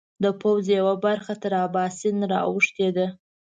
د پوځ یوه برخه تر اباسین را اوښتې ده.